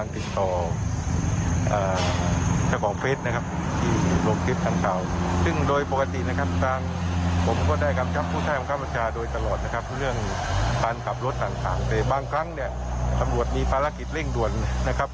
แต่บางครั้งเนี่ยตำรวจมีภารกิจเร่งด่วนนะครับ